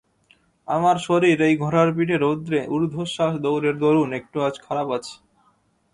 আমার শরীর এই ঘোড়ার পিঠে রৌদ্রে ঊর্ধ্বশ্বাস দৌড়ের দরুন একটু আজ খারাপ আছে।